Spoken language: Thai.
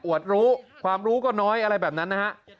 รู้ความรู้ก็น้อยอะไรแบบนั้นนะฮะ